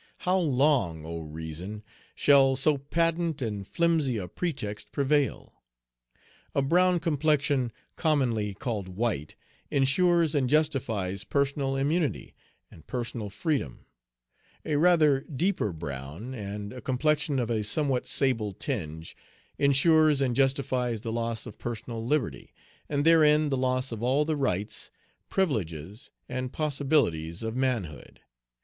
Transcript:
How long, O reason, shall so patent and flimsy a pretext prevail? A brown complexion, commonly called white, insures and justifies personal immunity and personal freedom; a rather deeper brown, and a complexion of a somewhat sable tinge, insures and justifies the loss of personal liberty, and therein the loss of all the rights, privileges, and possibilities of manhood.